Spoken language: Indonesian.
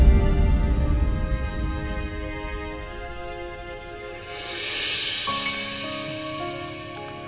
tidak ada yang bisa mencari